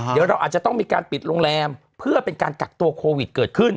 เดี๋ยวเราอาจจะต้องมีการปิดโรงแรมเพื่อเป็นการกักตัวโควิดเกิดขึ้น